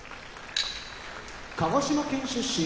鹿児島県出身